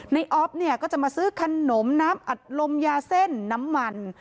ออฟเนี่ยก็จะมาซื้อขนมน้ำอัดลมยาเส้นน้ำมัน